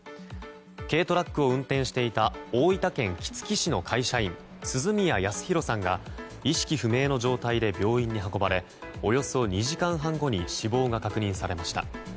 軽トラックを運転していた大分県杵築市の会社員鈴宮康宏さんが意識不明の状態で病院に運ばれおよそ２時間半後に死亡が確認されました。